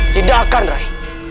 tidak akan rai